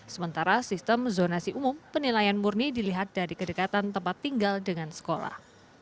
sementara sistem zonasi umum penilaian murni dilihat dari kedekatan tempat tinggal dengan sekolah